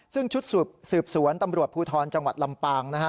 ซึ่งชุดสืบสวนตำรวจภูทรจังหวัดลำปางนะฮะ